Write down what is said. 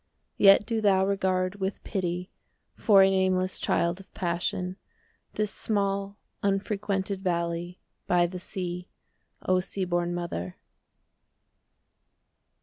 Yet do thou regard, with pity 5 For a nameless child of passion, This small unfrequented valley By the sea, O sea born mother.